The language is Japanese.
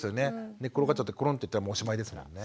寝っ転がっちゃってコロンッていったらもうおしまいですもんね。